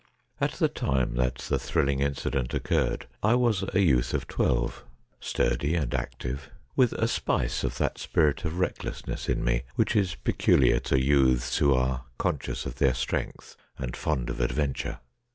At the time that the thrilling incident occurred I was a youth of twelve ; sturdy and active, with a spice of that spirit of recklessness in me which is peculiar to youths who are conscious of their strength and fond of adventure.